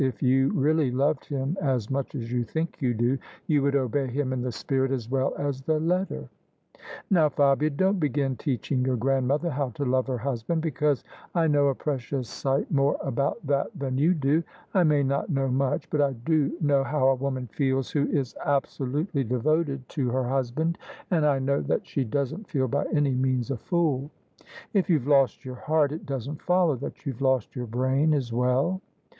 " If you really loved him as much as you think you do, you would obey him in the spirit as well as the letter." " Now, Fabia, don't begin teaching your grandmother how to love her husband, because I know a precious sight more about that than you do 1 I may not know much ; but I do know how a woman feels who is absolutely devoted to [^45] THE SUBJECTION her husband, and I know that she doesn't feel by any means a fooL If youVe lost your heart, it doesn't follow that you've lost your brain as well."